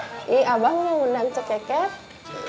hei abang yang undang cekeket